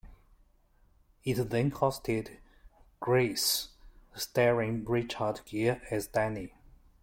It then hosted "Grease", starring Richard Gere as Danny.